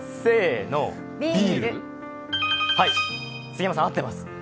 杉山さん、合ってます。